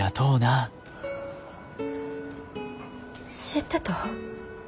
知ってた？